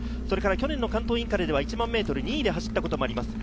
去年の関東インカレでは１００００ｍを２位で走ったこともあります。